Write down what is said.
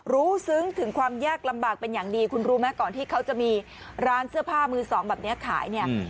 ซึ้งถึงความยากลำบากเป็นอย่างดีคุณรู้ไหมก่อนที่เขาจะมีร้านเสื้อผ้ามือสองแบบนี้ขายเนี่ย